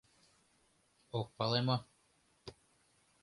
Ок пале мо?